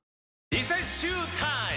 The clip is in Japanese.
リセッシュータイム！